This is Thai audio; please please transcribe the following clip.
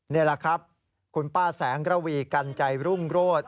นี่แหละครับคุณป้าแสงกระวีกันใจรุ่งโรธ